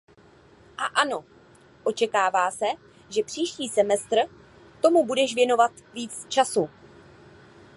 A ano, očekává se, že příští semestr tomu budeš věnovat víc času.